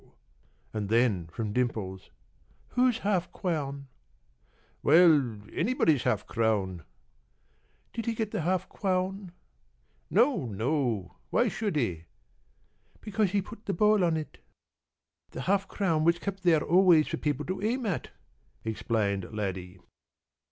And then from Dimples: "Whose half crown?" "Well, anybody's half crown." "Did he get the half crown?" "No, no; why should he?" "Because he put the ball on it." "The half crown was kept there always for people to aim at," explained Laddie.